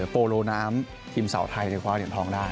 โปโรน้ำทีมสาวไทยในความว่าเหลี่ยนทองได้